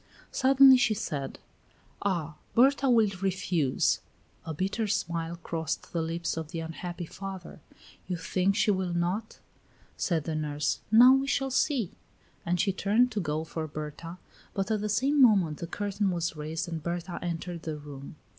Suddenly she said: "Ah! Berta will refuse." A bitter smile crossed the lips of the unhappy father. "You think she will not?" said the nurse. "Now, we shall see." And she turned to go for Berta, but at the same moment the curtain was raised and Berta entered the room.